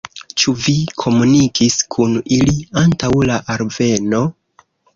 Ĉu vi komunikis kun ili antaŭ la alveno?